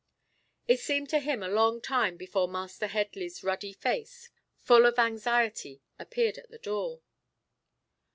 It seemed to him a long time before Master Headley's ruddy face, full of anxiety, appeared at the door.